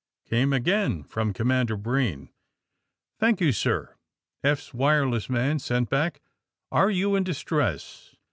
came again from Commander Breen. ^' Thank you, sir," Eph's wireless man sent back. _ *^Are you in distress?"